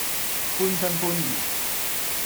半信半疑